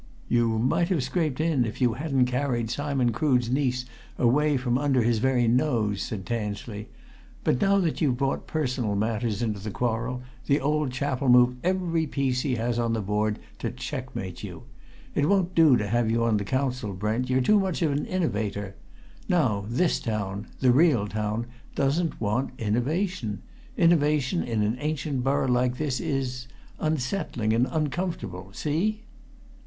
"You might have scraped in if you hadn't carried Simon Crood's niece away from under his very nose," said Tansley. "But now that you've brought personal matters into the quarrel, the old chap'll move every piece he has on the board to checkmate you. It won't do to have you on the Council, Brent, you're too much of an innovator. Now this town the real town! doesn't want innovation. Innovation in an ancient borough like this is unsettling and uncomfortable. See?"